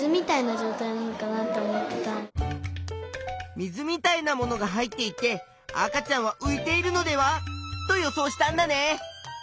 水みたいなものが入っていて赤ちゃんは浮いているのではと予想したんだね。